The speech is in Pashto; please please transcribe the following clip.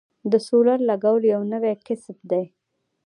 د سولر لګول یو نوی کسب دی